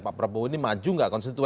pak prabowo ini maju nggak konstituen